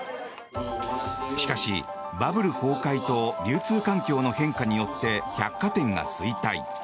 しかし、バブル崩壊と流通環境の変化によって百貨店が衰退。